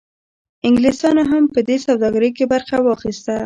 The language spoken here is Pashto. انګلیسانو هم په دې سوداګرۍ کې برخه واخیسته.